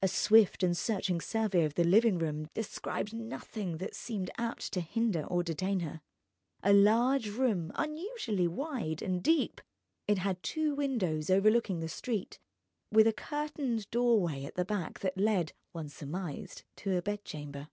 A swift and searching survey of the living room descried nothing that seemed apt to hinder or detain her. A large room, unusually wide and deep, it had two windows overlooking the street, with a curtained doorway at the back that led (one surmised) to a bedchamber.